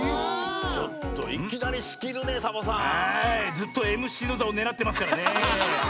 ずっとＭＣのざをねらってますからね。